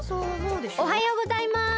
おはようございます。